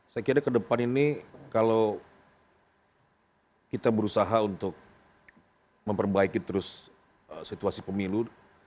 saya kira ke depan ini kalau kita berusaha untuk memperbaiki terus situasi pemilu